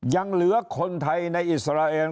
ยังเหลือคนไทยในอิสราเอล